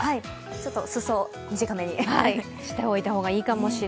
ちょっと裾を短めにしておいた方がいいです。